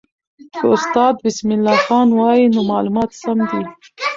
که استاد بسم الله خان وایي، نو معلومات سم دي.